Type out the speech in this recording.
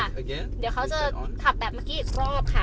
เดี๋ยวเขาจะขับแบบเมื่อกี้อีกรอบค่ะ